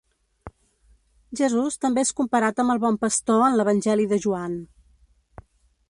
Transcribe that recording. Jesús també és comparat amb el bon pastor en l'Evangeli de Joan.